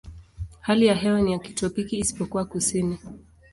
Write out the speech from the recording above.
Hali ya hewa ni ya kitropiki isipokuwa kusini.